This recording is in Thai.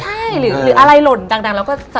ใช่หรืออะไรหล่นดังเราก็จะ